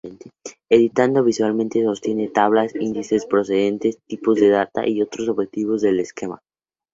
Editando visualmente sostiene Tablas, Índices, Procedimientos, Tipos de Data y otros objetos del esquema.